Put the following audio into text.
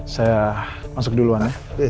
saya masuk duluan ya